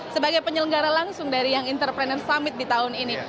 sebagai penyelenggara langsung dari young entrepreneur summit di tahun ini